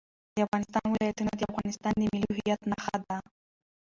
د افغانستان ولايتونه د افغانستان د ملي هویت نښه ده.